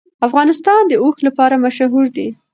افغانستان د اوښ لپاره مشهور دی.